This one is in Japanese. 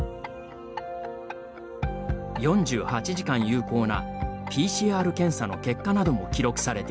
４８時間有効なＰＣＲ検査の結果なども記録されています。